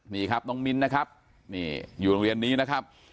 นี่ครับน้องมิ้นนะครับนี่อยู่โรงเรียนนี้นะครับ